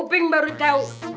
iping baru tau